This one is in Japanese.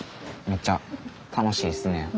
めっちゃ楽しいですね。